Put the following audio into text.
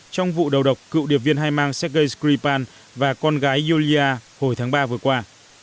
trong vụ đầu độc cựu điệp viên hai mang sergei skripal và con gái yulia hồi tháng ba vừa qua